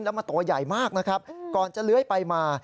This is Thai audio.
แล้วมันตัวใหญ่มากนะครับก่อนจะเลื้อยไปมา